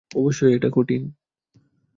অবশ্যই, এটা কঠিন।